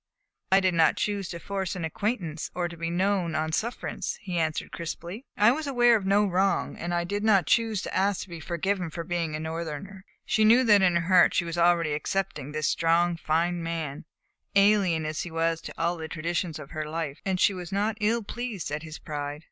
"I did not choose to force an acquaintance or to be known on sufferance," he answered crisply. "I was aware of no wrong, and I did not choose to ask to be forgiven for being a Northerner." She knew that in her heart she was already accepting this strong, fine man, alien as he was to all the traditions of her life, and she was not ill pleased at his pride.